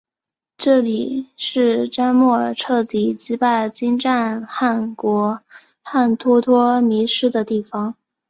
这里是帖木儿彻底击败金帐汗国汗脱脱迷失的地方。